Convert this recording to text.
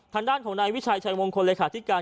ทางด้านของนายวิชัยชัยมงคลเลขาธิการ